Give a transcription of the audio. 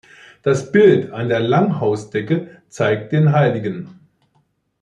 Das Bild an der Langhausdecke zeigt den hl.